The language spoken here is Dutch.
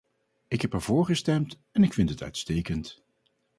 Ik heb ervoor gestemd en ik vind het uitstekend.